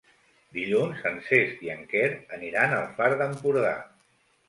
Dilluns en Cesc i en Quer aniran al Far d'Empordà.